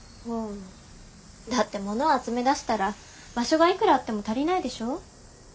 だって物を集めだしたら場所がいくらあっても足りないでしょ？